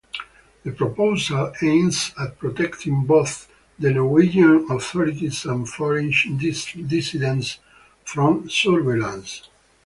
The proposal aims at protecting both the Norwegian authorities and foreign dissidents from surveillance.